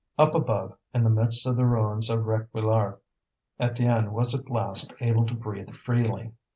Up above, in the midst of the ruins of Réquillart, Étienne was at last able to breathe freely.